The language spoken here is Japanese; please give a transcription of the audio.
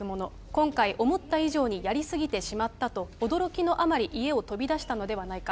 今回、思った以上にやり過ぎてしまったと、驚きのあまり家を飛び出したのではないか。